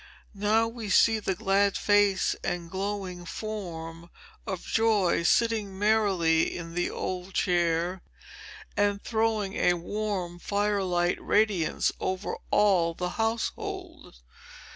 Now we see the glad face and glowing form of Joy, sitting merrily in the old chair, and throwing a warm fire light radiance over all the household.